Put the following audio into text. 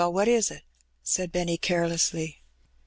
what is it?^' said Benny, carelessly.